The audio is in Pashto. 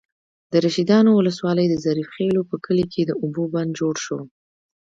د رشيدانو ولسوالۍ، د ظریف خېلو په کلي کې د اوبو بند جوړ شو.